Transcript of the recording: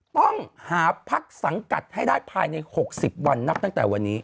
ต้องหาพักสังกัดให้ได้ภายใน๖๐วันนับตั้งแต่วันนี้